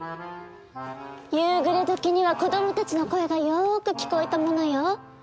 夕暮れ時には子供たちの声がよく聞こえたものよ。